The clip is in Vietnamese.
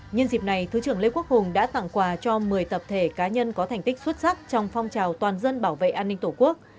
nhân dịp này thứ trưởng lê quốc hùng đã tặng quà cho một mươi tập thể cá nhân có thành tích xuất sắc trong phong trào toàn dân bảo vệ an ninh tổ quốc